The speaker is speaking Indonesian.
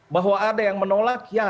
bahwa ada yang menolak ya